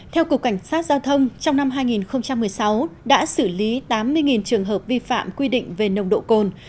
theo cục cảnh sát giao thông trong năm hai nghìn một mươi sáu đã xử lý tám mươi trường hợp vi phạm quy định về nồng độ cồn